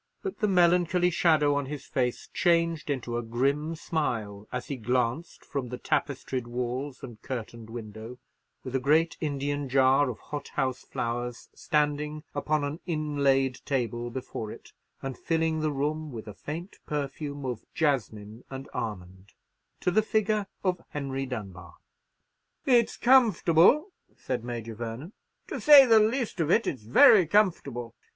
But the melancholy shadow on his face changed into a grim smile, as he glanced from the tapestried walls and curtained window, with a great Indian jar of hothouse flowers standing upon an inlaid table before it, and filling the room with a faint perfume of jasmine and almond, to the figure of Henry Dunbar. "It's comfortable," said Major Vernon; "to say the least of it, it's very comfortable.